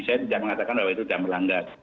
saya tidak mengatakan bahwa itu tidak melanggar